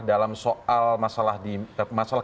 dalam soal masalah